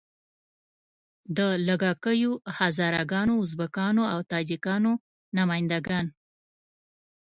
د لږه کیو هزاره ګانو، ازبکانو او تاجیکانو نماینده ګان.